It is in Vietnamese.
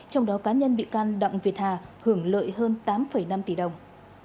trong đó cá nhân bị can đặng việt hà hưởng lợi hơn tám năm tỷ đồng